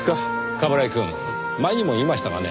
冠城くん前にも言いましたがね